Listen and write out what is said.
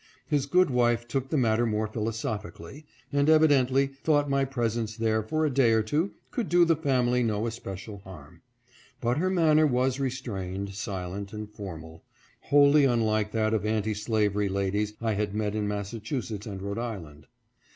His good wife took the matter more philosophically, and evidently thought my presence there for a day or two could do the family no especial harm ; but her manner was restrained, silent, and formal, wholly unlike that of anti slavery ladies I had met in Massachusetts and Rhode Island.